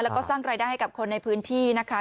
แล้วก็สร้างรายได้ให้กับคนในพื้นที่นะคะ